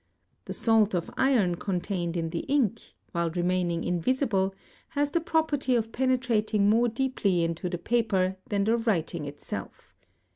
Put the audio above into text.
The salt of iron contained in the ink, while remaining invisible, has the property of penetrating more deeply into the paper than the writing itself.